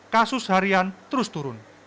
kasus harian terus turun